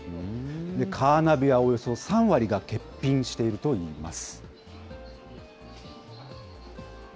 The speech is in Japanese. カーナビはおよそ３割が欠品しているといいます。